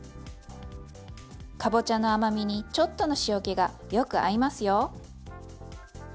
かぼちゃの甘みにちょっとの塩気がよく合いますよ。